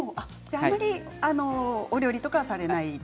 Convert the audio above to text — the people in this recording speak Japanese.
あまりお料理はされない？